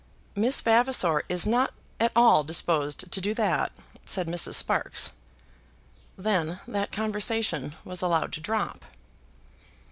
"Miss Vavasor is not at all disposed to do that," said Mrs. Sparkes. Then that conversation was allowed to drop.